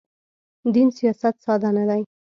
دین سیاست ساده نه دی.